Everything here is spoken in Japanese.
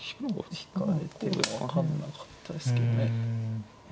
引かれても分かんなかったですけどね。